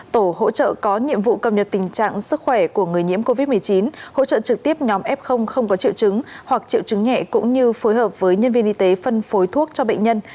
tổ hỗ trợ có nhiệm vụ cầm nhật tình trạng sức khỏe của người nhiễm covid một mươi chín hỗ trợ trực tiếp nhóm f không có triệu chứng hoặc triệu chứng nhẹ cũng như phối hợp với nhân viên y tế phân phối thuốc cho bệnh nhân